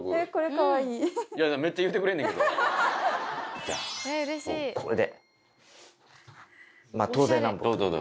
じゃあこれで。